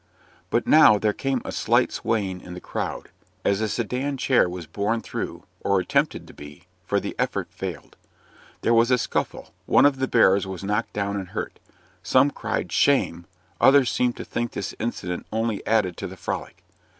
But now there came a slight swaying in the crowd, as a sedan chair was borne through or attempted to be for the effort failed. There was a scuffle, one of the bearers was knocked down and hurt. Some cried "shame!" others seemed to think this incident only added to the frolic.